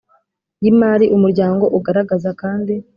Y imari umuryango ugaragaza kandi